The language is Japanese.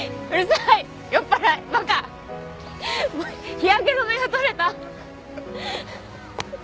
日焼け止めが取れた！